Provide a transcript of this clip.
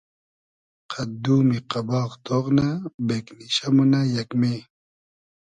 قئد دومی قئباغ تۉغ نۂ ، بېگنیشۂ مونۂ یئگمې